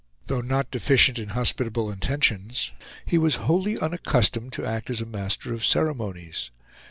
Though not deficient in hospitable intentions, he was wholly unaccustomed to act as master of ceremonies.